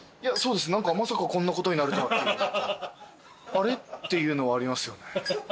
あれ？っていうのはありますよね。